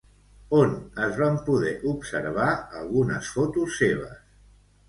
On es van poder observar algunes fotos seves?